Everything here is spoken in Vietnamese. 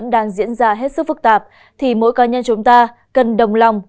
đã ra hết sức phức tạp thì mỗi cá nhân chúng ta cần đồng lòng